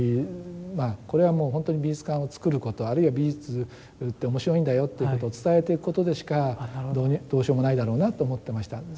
これはもうほんとに美術館をつくることあるいは美術って面白いんだよっていうことを伝えていくことでしかどうしようもないだろうなって思ってました。